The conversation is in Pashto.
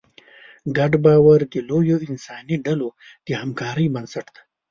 ګډ باور د لویو انساني ډلو د همکارۍ بنسټ دی.